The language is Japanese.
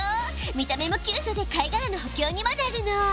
見た目もキュートで貝がらの補強にもなるの。